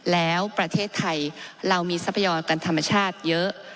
แล้วประเทศไทยเรามีทรัพยากรธรรมชาติเยอะ